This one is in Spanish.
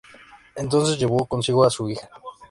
Entonces llevó consigo a su hija.